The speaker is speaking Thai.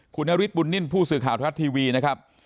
คุณนฤทธบุญนิ่มผู้สื่อข่าวทรัฐทีวีนะครับ